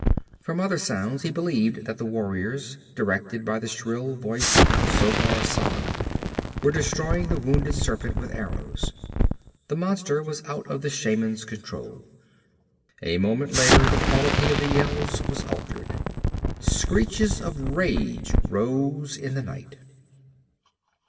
From other sounds he believed that the warriors, directed by the shrill voice of Zogar Sag, were destroying the wounded serpent with arrows. The monster was out of the shaman's control. A moment later the quality of the yells was altered. Screeches of rage rose in the night.